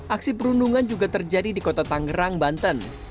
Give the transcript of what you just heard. aksi perundungan juga terjadi di kota tangerang banten